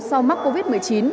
sau mắc covid một mươi chín